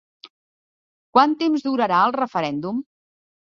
Quant temps durarà el referèndum?